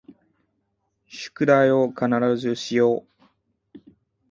宿題を必ずしよう